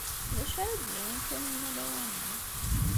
D acu ara d-yawin Taninna lawan-a?